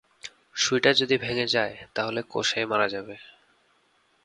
সুঁইটা যদি ভেঙে যায়, তাহলে কোশেই মারা যাবে।